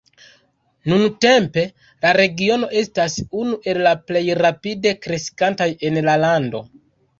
Nuntempe, la regiono estas unu el la plej rapide kreskantaj en la lando.